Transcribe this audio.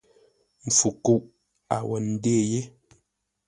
Mpfu kúʼ a wó ndê yé.